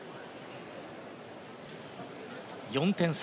４点差。